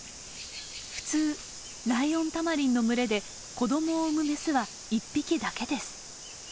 普通ライオンタマリンの群れで子どもを産むメスは１匹だけです。